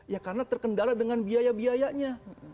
ya karena terkendala dengan biaya biayanya